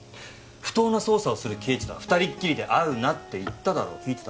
不当な捜査をする刑事とは二人っきりで会うなって言っただろ聞いてた？